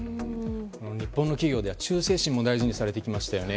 日本の企業では忠誠心も大事にされてきましたよね。